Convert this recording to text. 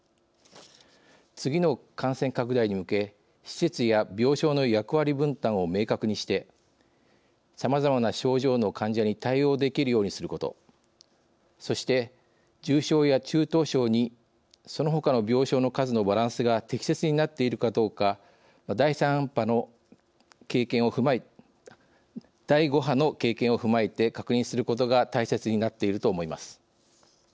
次の感染拡大に向け施設や病床の役割分担を明確にしてさまざまな症状の患者に対応できるようにすることそして、重症や中等症２そのほかの病床の数のバランスが適切になっているかどうか第５波の経験を踏まえて確認することが大切になっていると思います。